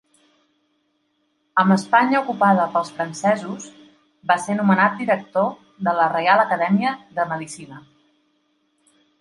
Amb Espanya ocupada pels francesos va ser nomenat director de la Reial Acadèmia de Medicina.